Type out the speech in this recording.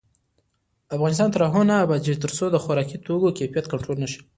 افغانستان تر هغو نه ابادیږي، ترڅو د خوراکي توکو کیفیت کنټرول نشي.